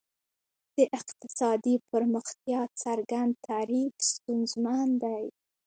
د اقتصادي پرمختیا څرګند تعریف ستونزمن دی.